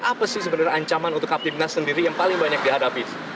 apa sih sebenarnya ancaman untuk kaptimnas sendiri yang paling banyak dihadapi